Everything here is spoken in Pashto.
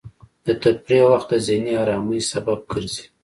د تفریح وخت د ذهني ارامۍ سبب ګرځي.